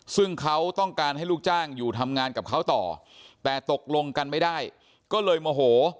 ซึ่งเขาต้องการให้ลูกจ้างอยู่ทำงานกับเขาต่อแต่ตกลงกันไม่ได้ก็เลยโมโห